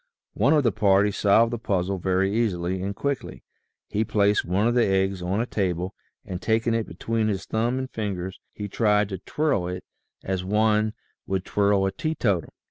One of the party solved the puzzle very easily and quickly. He placed one of the eggs on a table and taking it between his thumb and fingers he tried to twirl it as one would twirl a teetotum.